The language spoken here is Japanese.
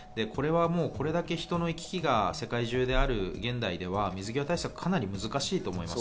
これだけ人の行き来が世界中である現代では水際対策はかなり難しいと思います。